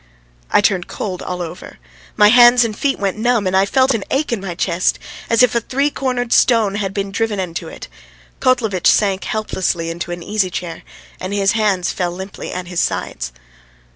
I turned cold all over; my hands and feet went numb and I felt an ache in my chest, as if a three cornered stone had been driven into it. Kotlovitch sank helplessly into an easy chair, and his hands fell limply at his sides.